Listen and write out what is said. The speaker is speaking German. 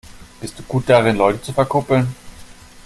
Bist du gut darin, Leute zu verkuppeln?